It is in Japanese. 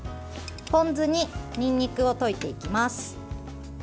ポン酢に、にんにくを溶いていきます。